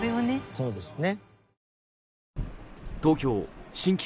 そうですね。